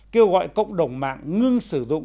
kêu gọi cộng đồng mạng ngưng sử dụng